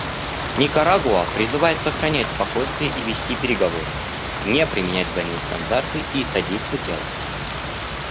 Никарагуа призывает сохранять спокойствие и вести переговоры, не применять двойные стандарты и содействовать диалогу.